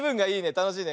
たのしいね。